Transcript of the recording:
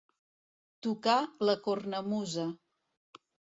Tocar la cornamusa.